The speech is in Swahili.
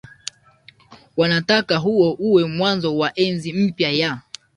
wanataka huo uwe mwanzo wa enzi mpya ya